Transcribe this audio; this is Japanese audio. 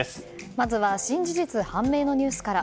まずは新事実判明のニュースから。